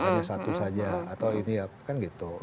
ini banyak sepanduk saja atau ini kan gitu